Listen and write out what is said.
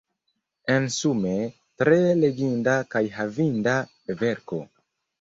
Ensume, tre leginda kaj havinda verko.